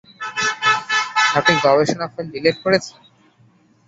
আপনি গবেষণা file delete করছেন?